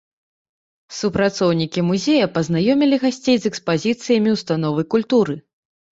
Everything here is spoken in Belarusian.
Супрацоўнікі музея пазнаёмілі гасцей з экспазіцыямі ўстановы культуры.